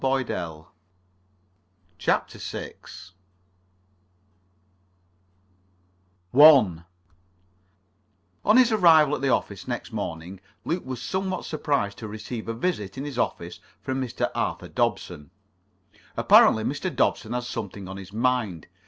[Pg 38 39] CHAPTER VI 1 On his arrival at the office next morning Luke was somewhat surprised to receive a visit in his office from Mr. Arthur Dobson. Apparently Mr. Dobson had something on his mind.